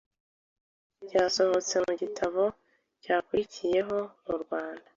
byasohotse mu gitabo cyakurikiyeho murwnda